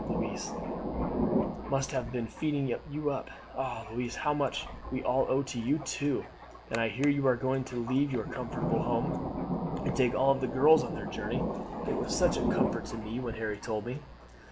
Louise must have been feeding you up. Ah, Louise, how much we all owe to you too! And I hear you are going to leave your comfortable home and take care of the girls on their journey. It was such a comfort to me when Harry told me!"